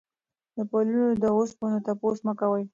د پلونو د اوسپنو تپوس مه کوئ.